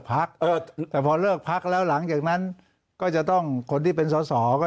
พักแต่พอเลิกพักแล้วหลังจากนั้นก็จะต้องคนที่เป็นสอสอก็